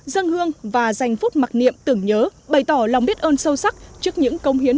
dân hương và dành phút mặc niệm tưởng nhớ bày tỏ lòng biết ơn sâu sắc trước những công hiến